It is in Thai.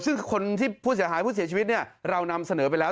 ซึ่งคนที่ผู้เสียหายผู้เสียชีวิตเนี่ยเรานำเสนอไปแล้ว